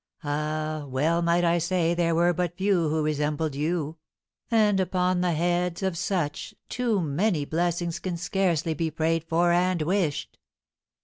Ah, well might I say there were but few who resembled you; and upon the heads of such too many blessings can scarcely be prayed for and wished."